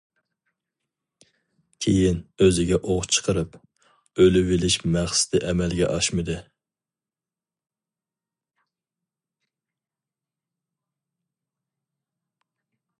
كېيىن ئۆزىگە ئوق چىقىرىپ، ئۆلۈۋېلىش مەقسىتى ئەمەلگە ئاشمىدى.